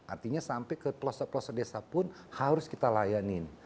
artinya sampai ke pelosok pelosok desa pun harus kita layanin